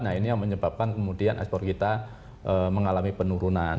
nah ini yang menyebabkan kemudian ekspor kita mengalami penurunan